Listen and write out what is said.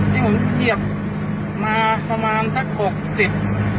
ที่ผมเหยียบมาประมาณสักหกสิบ